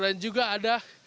dan juga ada